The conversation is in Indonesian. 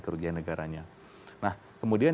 kerugian negaranya nah kemudian